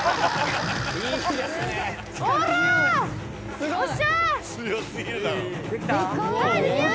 すごい。